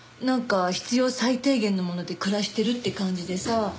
なんか必要最低限のもので暮らしてるって感じでさ。